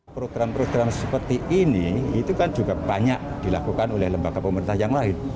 program program seperti ini itu kan juga banyak dilakukan oleh lembaga pemerintah yang lain